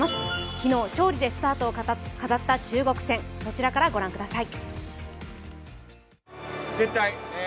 昨日、勝利でスタートを飾った中国戦、こちらからご覧ください。